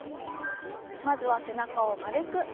まずは背中を丸く。